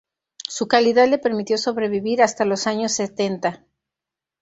Su calidad le permitió sobrevivir hasta los años setenta.